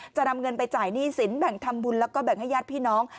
จะนำเงินไปจ่ายหนี้สินแบ่งทำบุญแล้วก็แบ่งให้ญาติพี่น้อง